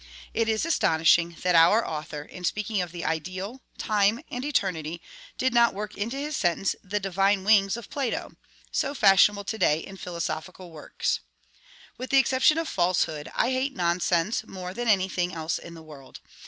It is astonishing that our author, in speaking of the IDEAL, TIME, and ETERNITY, did not work into his sentence the DIVINE WINGS of Plato, so fashionable to day in philosophical works. With the exception of falsehood, I hate nonsense more than any thing else in the world.